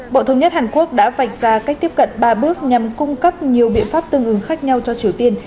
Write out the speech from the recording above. bộ thống nhất hàn quốc đã vạch ra cách tiếp cận ba bước nhằm cung cấp nhiều biện pháp tương ứng khác nhau cho triều tiên